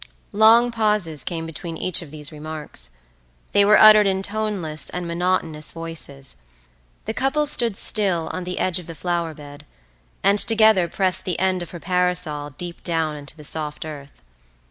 Long pauses came between each of these remarks; they were uttered in toneless and monotonous voices. The couple stood still on the edge of the flower bed, and together pressed the end of her parasol deep down into the soft earth.